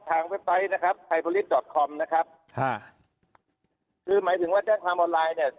ทางเว็บไซต์นะครับไทยนะครับค่ะคือหมายถึงว่าแจ้งความออนไลน์เนี่ย